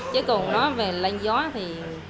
chứ còn nói về lanh gió thì